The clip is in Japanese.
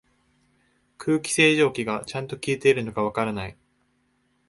空気清浄機がちゃんと効いてるのかわからない